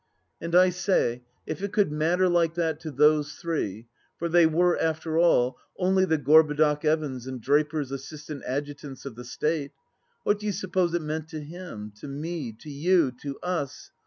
.,. And I say, if it could matter like that to those three — ^for they were, after all, only the Gorbudoc Evans' and draper's assistant adjutants of the State — ^what do you suppose it meant to him, to me, to you, to Us